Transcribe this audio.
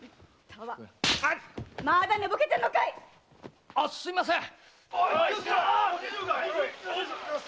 まだ寝ぼけてんのかい⁉すみません！